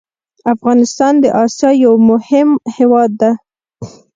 افغانستان د اسيا يو مهم هېواد ده